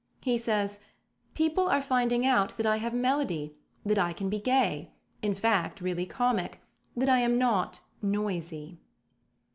He says: "People are finding out that I have melody; that I can be gay in fact, really comic; that I am not noisy."